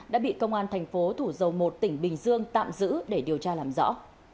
đã bị công an thành phố thủ dầu một tỉnh bình dương tạm giữ để điều tra làm rõ